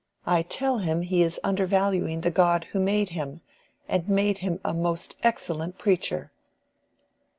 I tell him he is undervaluing the God who made him, and made him a most excellent preacher."